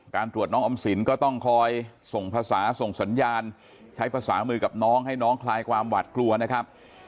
ตรวจน้องออมสินก็ต้องคอยส่งภาษาส่งสัญญาณใช้ภาษามือกับน้องให้น้องคลายความหวัดกลัวนะครับ